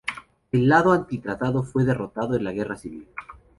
El lado anti-tratado fue derrotado en la Guerra Civil.